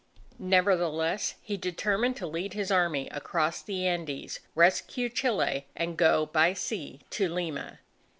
Nevertheless, he determined to lead his Army across the Andes, rescue Chile, and go by sea to Lima.